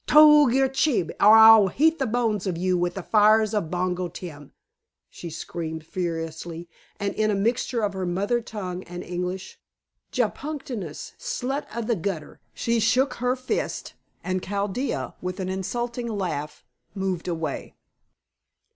"Tol yer chib, or I'll heat the bones of you with the fires of Bongo Tem," she screamed furiously, and in a mixture of her mother tongue and English. "Ja pukenus, slut of the gutter," she shook her fist, and Chaldea, with an insulting laugh, moved away.